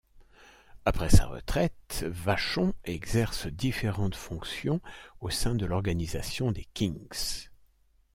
Après sa retraite, Vachon exerce différentes fonctions au sein de l'organisation des Kings.